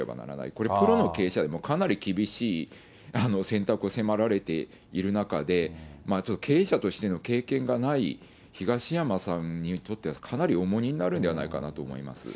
これ、プロの経営者でも、かなり厳しい選択を迫られている中で、ちょっと経営者としての経験がない東山さんにとっては、かなり重荷になるんではないかなと思います。